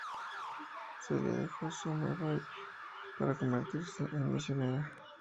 Celia dejó Summer Bay para convertirse en misionera.